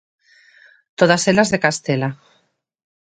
Todas elas de Castela.